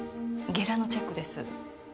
ゲラのチェックです。